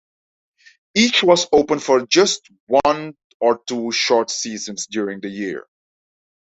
Each was open for just one or two short seasons during the year.